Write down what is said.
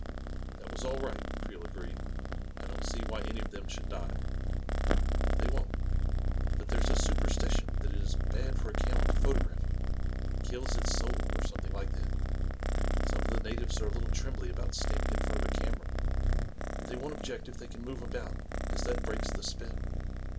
" That was all right," Creel agreed. " I don't see why any of them should die." " They won't — but there's a superstition that it is bad for a camel to photograph it — kills its soul, or something like that. Some of the natives are a little trembly about standing in front of a camera, but they won't object if they can move about, as that breaks the spell.